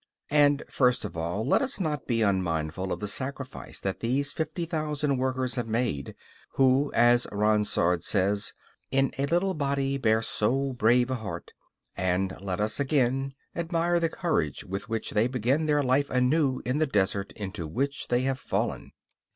And, first of all, let us not be unmindful of the sacrifice that these fifty thousand workers have made, who, as Ronsard says "In a little body bear so brave a heart," and let us, yet again, admire the courage with which they begin their life anew in the desert into which they have fallen.